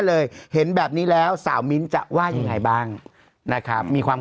เลยเห็นแบบนี้แล้วสาวมิ้นท์จะว่ายังไงบ้างนะครับมีความ